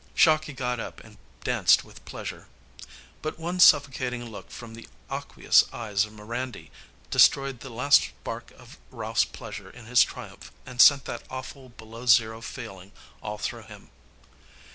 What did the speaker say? Shocky got up and danced with pleasure. But one suffocating look from the aqueous eyes of Mirandy destroyed the last spark of Ralph's pleasure in his triumph, and sent that awful below zero feeling all through him.